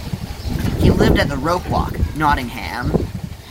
He lived at The Ropewalk, Nottingham.